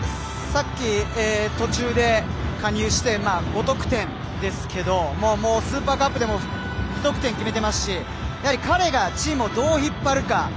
昨季、途中で加入して５得点ですけどスーパーカップでも２得点を決めていますし彼がチームをどう引っ張るか。